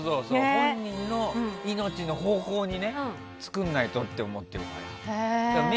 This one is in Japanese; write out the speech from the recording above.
本人の命の方向に作らないとと思ってるから。